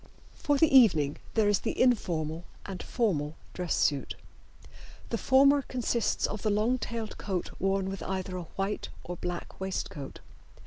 For the evening there is the informal and formal dress suit. The former consists of the long tailed coat worn with either a white or black waistcoat.